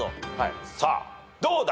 さあどうだ？